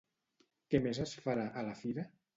Què més es farà, a la fira?